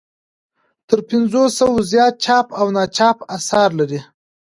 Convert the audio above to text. تر پنځو سوو زیات چاپ او ناچاپ اثار لري.